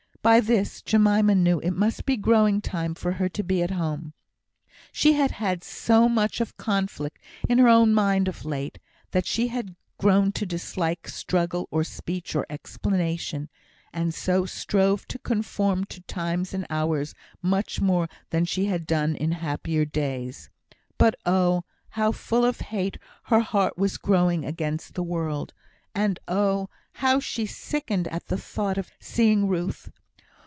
By this, Jemima knew it must be growing time for her to be at home. She had had so much of conflict in her own mind of late, that she had grown to dislike struggle, or speech, or explanation; and so strove to conform to times and hours much more than she had done in happier days. But oh! how full of hate her heart was growing against the world! And oh! how she sickened at the thought of seeing Ruth!